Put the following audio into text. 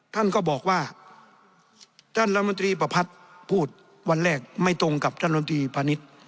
ท่านก็บอกว่าท่านรัฐมนตรีประพัทธ์พูดวันแรกไม่ตรงกับท่านลำตีพาณิชย์